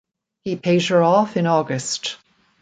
He paid her off in August.